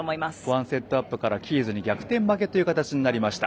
１セットアップからキーズに逆転負けとなりました。